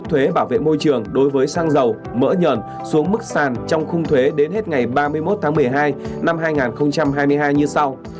thuế bảo vệ môi trường đối với xăng dầu mỡ nhờn xuống mức sàn trong khung thuế đến hết ngày ba mươi một tháng một mươi hai năm hai nghìn hai mươi hai như sau